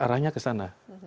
arahnya ke sana